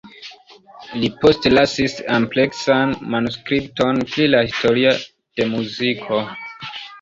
Li postlasis ampleksan manuskripton pri la historio de muziko.